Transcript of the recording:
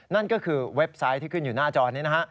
นั่นก็คือเว็บไซต์ที่ขึ้นอยู่หน้าจอนี้นะฮะ